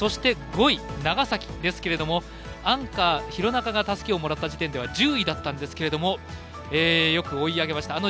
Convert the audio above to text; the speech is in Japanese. ５位長崎ですけれどもアンカー、廣中がたすきをもらった時点では１０位だったんですがよく追い上げました。